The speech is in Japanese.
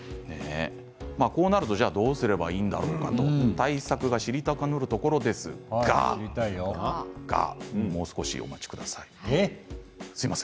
こうなるとどうすればいいんだろうかと対策が知りたくなるところですがもう少しお待ちください。